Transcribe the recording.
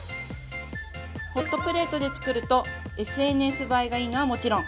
◆ホットプレートで作るとＳＮＳ映えがいいのはもちろん！